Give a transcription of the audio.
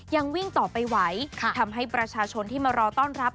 ยังวิ่งต่อไปไหวทำให้ประชาชนที่มารอต้อนรับ